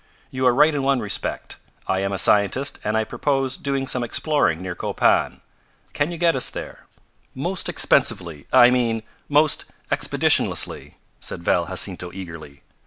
"You are right in one respect. I am a scientist and I purpose doing some exploring near Copan. Can you get us there?" "Most expensively I mean, most expeditionlessly," said Val Jacinto eagerly.